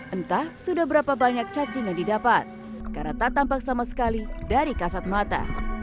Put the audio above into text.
entah sudah berapa banyak cacing yang didapat karena tak tampak sama sekali dari kasat mata